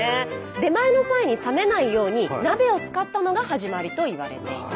出前の際に冷めないように鍋を使ったのが始まりといわれています。